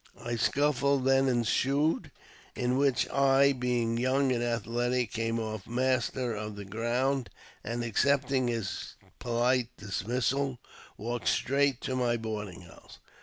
A scuffle then ensued, in which I, being young and athletic, came off master of the ground, and, accepting his pohte dis missal, walked straight to my boarding house.